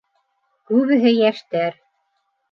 Күбеһе йәштәр.